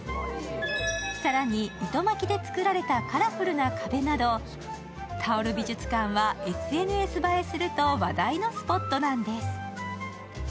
更に、糸巻で作られたカラフルな壁などタオル美術館は、ＳＮＳ映えすると話題のスポットなんです。